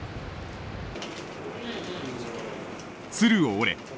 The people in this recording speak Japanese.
「鶴を折れ」。